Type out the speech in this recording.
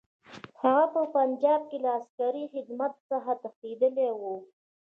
هغه په پنجاب کې له عسکري خدمت څخه تښتېدلی وو.